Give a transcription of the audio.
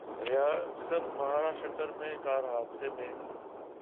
ریاست مہاراشٹرا میں کار حادثے میں